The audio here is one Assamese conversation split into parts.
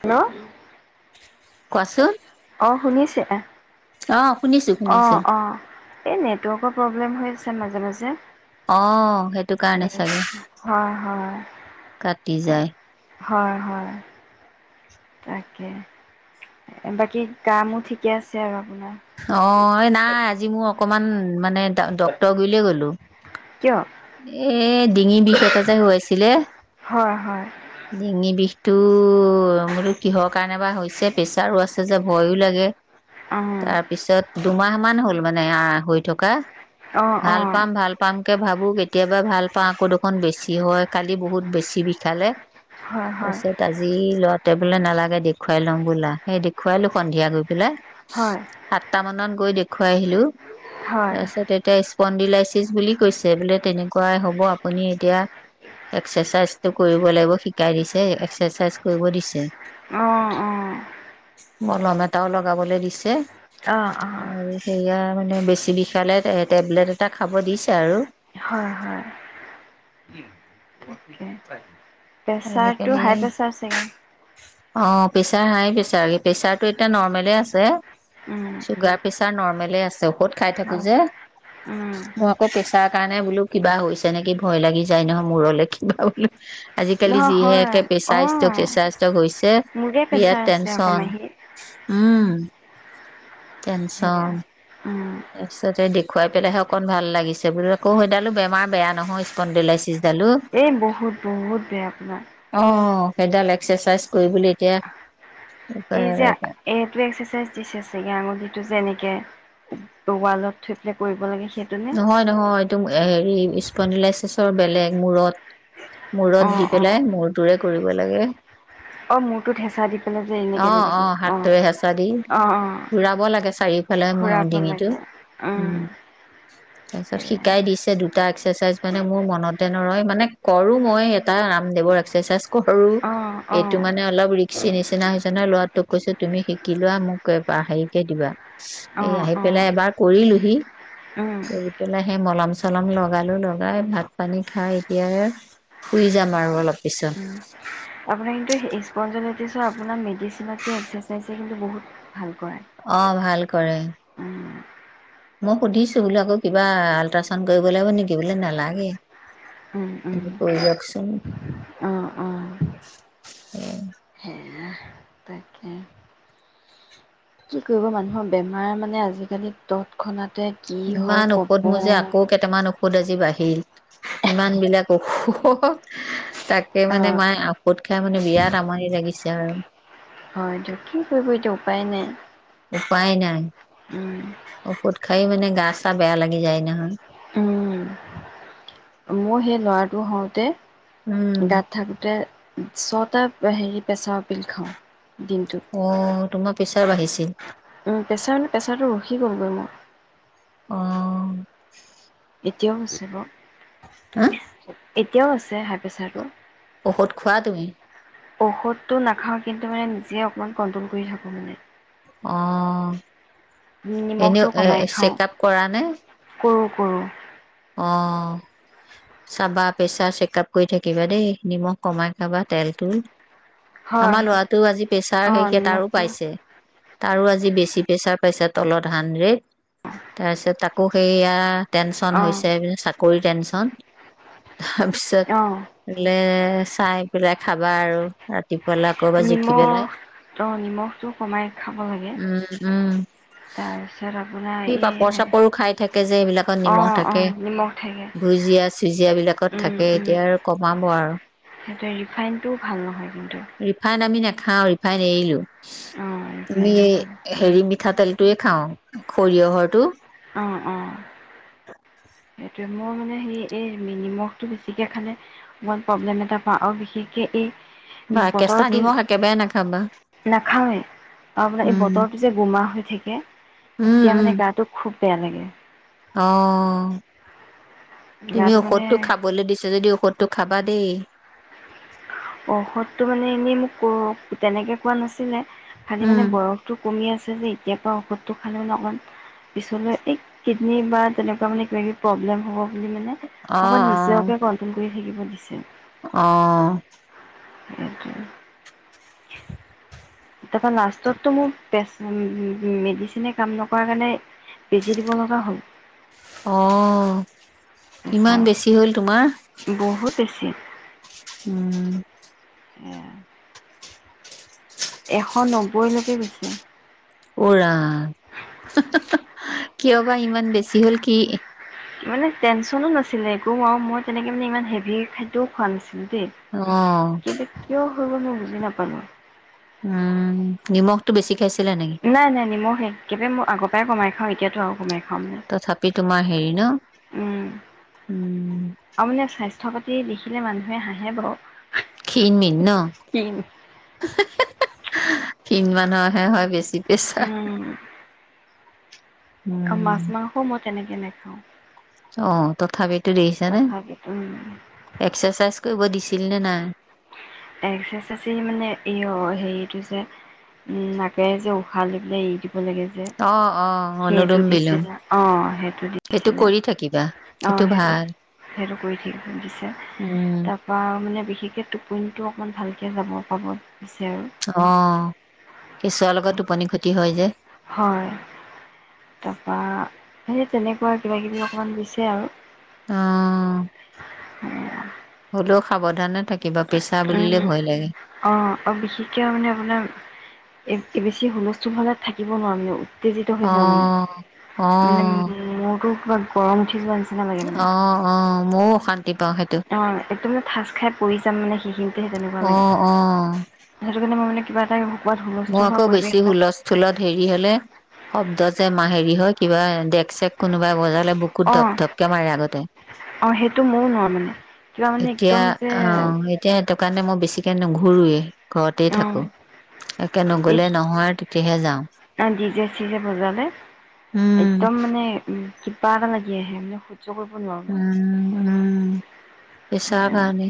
হেল্ল' কোৱাচোন, অ', শুনিছে? অ', শুনিছো শুনিছো অ'অ', এই নেটৱৰ্কৰ প্ৰব্লেম হৈ আছে মাজে মাজে। অ সেইটো কাৰণে চাগে হয় হয়, কাটি যায় তাকেহে। হয় হয়। তাকে, বাকী গা-মোৰ ঠিকে আছে আৰু আপোনাৰ। অ', এই নাই আজি মোৰ অকমান মানে ডক্তৰ গুইলে গলোঁ। কিয় এই ডিঙি বিষ এটা যে হৈ আছিলে। হয় হয় ডিঙি বিষটো মোৰ কিহৰ কাৰণে বা হৈছে, প্ৰেছাৰো আছে যে ভয়ো লাগে। অ', তাৰ পিছত দুমাহ মান হ'ল মানে হৈ থকা, অঁ অঁ ভাল পাম ভাল পাম কে ভাবোঁ কেতিয়াবা ভাল পাওঁ আকৌ দেখোন বেছি হয়, কালি বহুত বেছি বিষালে। হয় হয়। তাৰপিছত আজি ল'ৰাতোৱে বোলে নালাগে দেখুৱাই ল'ম ব'লা, সেই দেখুৱালো সন্ধিয়া গৈ পেলাই। হয়। সাতটা মানত গৈ দেখুৱাই আহিলোঁ হয় তাৰপিছত। পনডি'লাইচিছ বুলি কৈছে, বোলে তেনেকুৱাই হ'ব আপুনি এতিয়া এক্সাৰচাইজটো কৰিব লাগিব, শিকাই দিছে। এক্সাৰচাইজ কৰিব দিছে। অ'অ', মলম এটাও লগাবলৈ দিছে অঁ অঁ আৰু। সেয়া মানে বেছি বিষালে টেবলেট এটা খাব দিছে আৰু। হয় হয়। প্ৰেচাৰটো আজিকালি হাই প্ৰেচাৰ চাগে। অ', প্ৰেচাৰ হাই প্ৰেছাৰ, প্ৰেছাৰটো এতিয়া নৰ্মেলে আছে। উম চুগাৰ, প্ৰেচাৰ নৰ্মেলে আছে, ঔষধ খাই থাকোঁ হয় যে। উম। মোৰ আকৌ প্ৰেছাৰ কাৰণে বোলো কিবা হৈছে নেকি? ভয় লাগি যায় নহয় মূৰলে কিবা বোলো। আজিকালি নহয় যিহে হয় একে প্ৰেছাৰ ষ্টক, অঁ চেচাৰ ষ্টক হৈছে মোৰে প্ৰেছাৰ বিৰাট আছে আকৌ টেনচন। মাহীৰ উম। সেয়া টেনচন। উম তাৰপিছত দেখুৱাই পেলাইহে অকণ ভাল লাগিছে, বোলো আকৌ সেইডালো বেমাৰ বেয়া নহয়, স্পন'ডেলাইচিছডালো। এই বহুত, বহুত বেয়া আপোনাৰ। অ', সেইডাল এক্সাৰচাইজ কৰিবলৈ এতিয়া। এইজা এইটো এক্সাৰচাইজ দিছে চাগে, আঙুলিটো যেনেকে, ৱালত থৈ পেলাই কৰিব লাগে। সেইটো নে নহয়, নহয়, এই হেৰি স্পনডিলাইচিছৰ বেলেগ, মূৰত। অ মূৰত দি অ পেলাই, মূৰটোৰে কৰিব লাগে। অ', মূৰটোত হেঁচা দিব যে অ এনেকে, এনেকে অ', হাতটোৰে হেঁচা দি অ', অ', ঘূৰাব লাগে চাৰিওফালে ঘূৰাব ডিঙিটো লাগে। উম',। তাৰপিছত সেয়াই শিকাই দিছে দু এটা এক্সাৰচাইজ মানে মোৰ মনতে নৰয়, মানে কৰো মই এটা ৰামদেৱৰ এক্সাৰচাইজ কৰো। অ অ এইটো মানে অলপ ৰিস্কি নিচিনা। নিচিনা হৈছে নহয়, লৰাটোক কৈছো তুমি শিকি লোৱা মোক হেৰিকে দিবা। অ এই, আহি অ পেলাই এবাৰ কৰিলোহি। উম কৰি পেলাই, সেই মলম-চলম লগালো লগাই ভাত পানী খাই এতিয়া শুই যাম আৰু হয় অলপ পিছত। উম আপোনাৰ কিন্তু স্পনজেলাইটিছৰ আপোনাক, মেডিচিনতকৈ এক্সাৰচাইজে কিন্তু বহুত ভাল কৰে। অ', ভাল কৰে। উম মই সুধিছো বোলো আকৌ কিবা আল্ট্ৰাচাউণ্ড কৰিব লাগিব নেকি? বোলে নালাগে। উম উম কৰি যাওঁকচোন, অ', অ', উম',। [unintelligible] তাকে। কি কৰিব মানুহৰ বেমাৰ মানে আজিকালি তৎক্ষণাতে কি হয় ইমান ক'ব ঔষধ মোৰ, অ', আকৌ কেইটামান আজি বাঢ়িল। ইমান বিলাক অসুখ। তাকে মানে মায়ে ঔষধ খাই, মানে বিৰাত আমনি লাগিছে আৰু। হয়', দিয়ক, কি কৰিব এতিয়া উপায় নাই। উপাই নাই, উম, ঔষত খাই মানে গা-চা বেয়া লাগি যায় নহয়। উম, মোৰ সেই ল'ৰাটো হওঁতে উম',। তাত থাকোঁতে, ছয়টা হেৰি প্ৰেচাৰৰ টেবলেট খাওঁ, দিন অ', তোমাৰ প্ৰেছাৰ বহিছে। প্ৰেছাৰ মানে প্ৰেছাৰটো ৰখি গ'লগৈ মোৰ। অ',। এতিয়াও আছে বাৰু। হা? এতিয়াও আছে হাই প্ৰেচাৰ টো। ঔষধ খোৱা তুমি? ঔষধটো নাখাওঁ, কিন্তু মানে নিজে অকমান কন্ট্ৰল কৰি থাকো মানে। অ', নিমখটো এনেও এ' চেকআপ কৰা নে? কৰোঁ কৰোঁ। অ',। চাবা প্ৰেচাৰ চেক আপ কৰি থাকিবা দেই, নিমখ কমাই খাবা, তেলটো। হয় আমাৰ হয় ল'ৰাটোও আজি প্ৰেছাৰ অঁ সেইসে তাৰো নিমখটো পাইছে। তাৰো আজি বেছি প্ৰেছাৰ পাইছে, তলত হান্ড্ৰেড, তাৰপিছত তাত আকৌ সেয়া টেনচন অঁ হৈছে, চাকৰি টেনচন, তাৰপিছত অঁ বোলে, চাই পেলাই খাবা আৰু। ৰাতিপুৱালে আকৌ এবাৰ জুখি নিমখ পেলাই, অঁ নিমখটো কমাই খাব লাগে উম', উম',। তাৰপিছত সি আপোনাৰ পাপৰ এই, চাপৰো খাই থাকে যে অ', অ', নিমখ থাকে। ভুজিয়া-চুজিয়া বিলাকত উম থাকে, উম এতিয়া আৰু কমাব আৰু। সেইটোৱে, ৰিফাইনটোও ভাল নহয় কিন্তু। ৰিফাইন আমি নাখাওঁ, ৰিফাইন অঁ এৰিলো। আমি ৰিফাইনটো ভাল এই হেৰি মাঠাতেলটোৱেই খাওঁ, সৰিয়‌হৰটো। Of', of. সেইটোৱে, মই মানে হেৰি এই নিমখটো বেছিকে খালে মই প্ৰব্লেম এটা পাওঁ, আৰু বিশেষকে এই বা কেঁচা বতৰটো, নিমখ একেবাৰে নাখাবা নাখাওঁৱে, আৰু মানে এই উম বতৰটো যে গোমা হৈ থাকে, উম তেতিয়া উম গাটো খুব বেয়া লাগে। অ' তুমি গাটো মানে ঔষধটো খাবলৈ দিছে যদি ঔষধ তো খাবা দেই। ঔষধটো মানে এনেই মোক তেনেকৈ কোৱা নাছিলে, খালী মানে উম। বয়স টো কমি আছে যে, এতিয়াৰ পৰা ঔষধটো খালে মানে অকণ পিছলৈ এই কিডনী বা তেনেকুৱা মানে কিবাকিবি প্ৰব্লেম হ'ব বুলি মানে অ', অকন অ'। নিজকে কণ্ট্ৰোল কৰি থাকিব দিছে। অ'। সেইটোৱে। তাৰপৰা লাষ্টততো মোৰ তেজ মেডিচিনে কাম নকৰা কাৰণে বেজি দিব লগা হ'ল। অ' ইমান প্ৰেছাৰ বেছি হ'ল তোমাৰ? বহুত বেছি? উম। এয়া। এশ নব্বৈলৈকে গৈছে। অ' ৰাম, কিয় বা ইমান বেছি, হ'ল কি? মানে টেনচনো নাছিলে একো, আৰু মই তেনেকৈ মানে ইমান হেভি খাদ্যও খোৱা নাছিলোঁ দেই। অ'। কেলে কিয় হৈ গ'ল মই বুজি নাপালোঁ। উম, নিমখতটো বেছি খাইছিলা নেকি? নাই, নাই নিমখ একবাৰে মই আগৰ পৰাই কমাই খাওঁ এতিয়াতো আৰু কমাই খাও। তথাপি তোমাৰ হেৰি ন? উম। আৰু মানে স্বাস্থ্য পাতি দেখিলে মানুহে হাঁহে বাওঁ। ক্ষীন মিন ন? ক্ষীন মানুহৰহে হয় বেছি প্ৰেছাৰ? উম, মাছ মাংসও মই তেনেকে নাখাওঁ। অ' তথাপিতো দেখিছানে? তথাপিতো উম এক্সাৰচাইজ কৰিব দিছিল নে নাই? এক্সাৰচাইজ মানে এই অ' হেৰিটো যে নাকেৰে যে উশাহ লৈ পেলাই এৰি দি ব লাগে যে অ', অ', অনুলোম সেইটো বিলোম দিছিল, অ' সেইটো দি সেইটো কৰি থাকিবা? অ' সেইটো সেইটো কৰি থাকিব দিছে, উম তাৰ পা মানে বিশেষকে টোপনিটো অকণ ভালকে যাব পাব দিছে আৰু। অৱ' কেচুৱৰ লগত টোপনি ক্ষতি হয় যে? হয়। তাপা সেই তেনেকুৱা কিবা কিবি অকণমান দিছে আৰু। অৱ'। স [unintelligible] হ'লেও সাৱধানে থাকিবা, পেচাৰ উম, বুলিলে ভয় লাগে। অ', অ' বিশেষকে মানে আপোনাৰ বেছি হুলস্থুল হ'লে থাকিব নোৱাৰো। মানে উত্তেজিত হৈ অ যাওঁ মানে, অ মানে মূৰটো কিবা গৰম উঠি যোৱা নিছিন অ', অ' মইয়ো অশান্তি পাওঁ সেই অ, একদম মানে ঠাচ খাই পৰি যাম মানে সেইখিনিতে তেনেকুৱা অ লাগে। অ এনে যদি মই মানে কিবা এটা হোৱাৰ হুলস্থুল হোৱা পৰিৱেশ এটা স্কুলত হেৰি হ'লে শব্দ যে মাহ হেৰি হয় কিবা দেক- চেক কোনোবাই বজালে বুক কুত, অ ধপ- ধপকে মাৰে আগতে। অ, সেইটো মোৰো মন, মানে কিবা মানে এতিয়া একদম যে অ এতিয়া সেইটো কাৰণে মই বেছিকৈ নুঘোৰোৱেই ঘৰতেই অ থাকোঁ। তাকে নগলে নহয় তেতিয়াহে যাওঁ। অ, দিজে- চিজে বজালে উম একদম মানে উম, কিবা এটা লাগি আহে মানে সহ্য কৰিব নোৱাৰোঁ। উম, উম। বিচাৰ কাৰণে,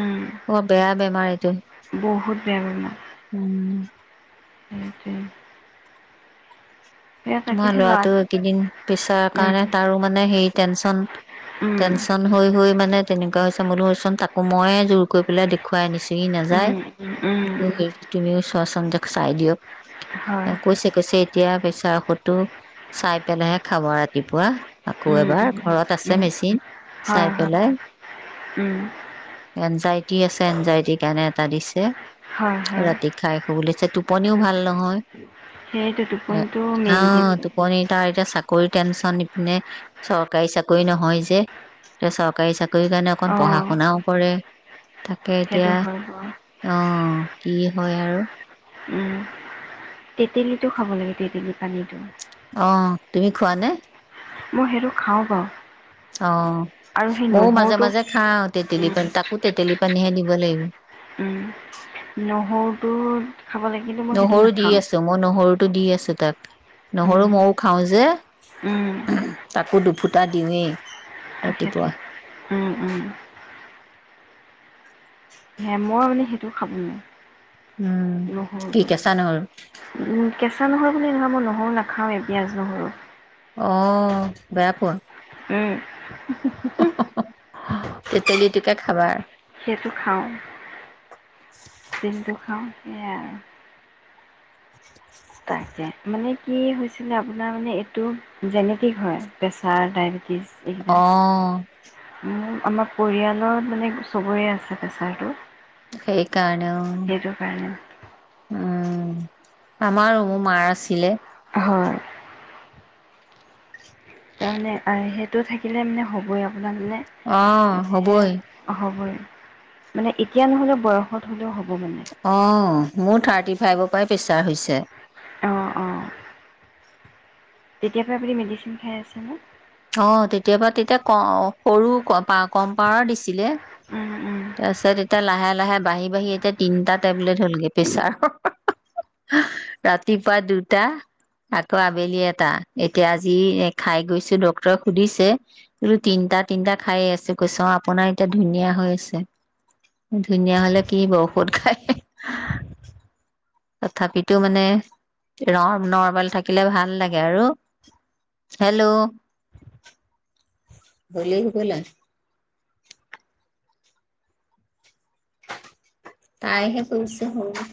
উম বৰ বেয়া বেমাৰ এইটো। বহুত বেয়া বেমাৰ। উম। উম, সেইটোৱে। সেয়া মই তাকেহে ল'ৰাটো ল'ৰাক এইকেইদিন পিচাৰ উম কাৰণে তাৰো মানে, টেনচন- উম টেনচন। হৈ- হৈ মানে তেনেকুৱা হৈছে। মই বোলো চোন তাকো মইয়ে জোৰ কৰি পেলাই দে খুৱাই নিছোহি ই নাযায়, উম উম উম তুমিও চোৱাচোন যাওঁক চাই দিয়ক। হয় কৈছে- কৈছে এতিয়া পেচাৰ ঔষধটো চাই পেলাইহে খাব আৰু ৰাতিপুৱা। আকৌ উম এবাৰ, উম ঘৰত আছে উম মেচিন হয় চাই হয় পেলাই। উম এনজাইটি আছে, এনজাইটিৰ কাৰণে এটা দিছে হয় হয় ৰাতি খাই শুবলৈ বুলি দিছে, টোপনিও ভাল নহয়। সেইয়টো টোপনটো অ, টোপনি পনি তাৰ এতিয়া চাকৰি টেনচন, ইপিনে চৰকাৰী চাকৰি নহয় যে। এতিয়া চৰকাৰী চাকৰিৰ কাৰণে অকণ পঢ়া অঁ শুনাও কৰে তাকে সেইটো এতিয়া হয় বাৰু অ, কি হয় আৰু। উম, তেতেলীটো খাব লাগে তেতেলী পানীটো। অ, তুমি খোৱানে? মই সেইটো খাওঁ বাৰু। অ, আৰু সেই মইও মাজে- নহৰুটো মাজে খাওঁ তেতেলী উম পানী তাকো তেতেলী পানীহে দিব লাগিব। উম, নহৰু টো খাব লাগিব। নহৰু দি আছোঁ, মই নহৰুতো দি আছোঁ তাক, নহৰু উম। মইও খাওঁ যে। উম তাকো দুফুটা দিওঁৱে। তাকেটো, উম- উম। সেই মই মানে সেইটো খাব উম। নোৱাৰোঁ, নহৰু কি টো। কেঁচা নহৰু কেঁচা নহৰু বুলি নহয়, মই নহৰু নাখাওঁৱেই পিঁয়াজ নহৰু। অ, বেয়া পোৱা? উম। তেতেলিটোকে খাবা। সেইটো খাওঁ, দিনটো খাওঁ সেয়াই আৰু। তাকে, মানে কি হৈছিলে আপোনাৰ মানে এইটো জেনেটিক হয় প্ৰেছাৰ, ডায়েবেটিছ এইকেইটা। অ'। মোৰ আমাৰ পৰিয়ালত মানে চবৰে আছে প্ৰেছাৰটো। সেই কাৰনে অ'। সেইটো কাৰণে অ', আমাৰো মোৰ মাৰ আছিলে। হয়। তাৰমানে সেইটো থাকিলে মানে হ'বই আপোনাৰ অ মানে এ হ'বই হ'বই, মানে এতিয়া নহ'লেও বয়সত হ'লেও হ'ব মানে। অ', মোৰ থাৰ্টি ফাইভৰ পৰাই প্ৰেছাৰ হৈছে। অ', অ'। তেতিয়া পৰা আপুনি মেডিচিন খাই আছেনে? অ', তেতিয়াপা তেতিয়া ক সৰু কপা কম পাৱাৰ দিছিলে। উম, উম। তাৰপিছত এতিয়া লাহে, লাহে বাঢ়ি, বাঢ়ি এতিয়া তিনটা টেবলেট হ'লগে প্ৰেছাৰ। ৰাতিপুৱা দুটা। আকৌ আবেলি এটা। এতিয়া আজি খাই গৈছোঁ ডক্তৰে সুধিছে। ৰো তিনটা, তিনিটা খাই আছোঁ। কৈছ অ', আপোনাৰ এতিয়া ধুনীয়া হৈ আছে।। ধুনীয়া হলে কি হ'ব ঐষধ খাই। তথাপিতো মানে ৰ, নৰ্মেল থাকিলে ভাল লাগে আৰু। হেল্ল'। হ'লেই হ'বলা। তাইহে কৰিছে হ'ল।